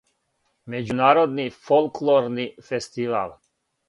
Међународни фолклорни фестивал.